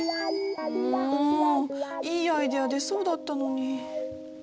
もういいアイデア出そうだったのに。